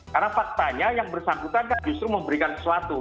karena faktanya yang bersanggutan kan justru memberikan sesuatu